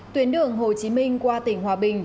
tuyến đường hồ chí minh qua tỉnh hòa bình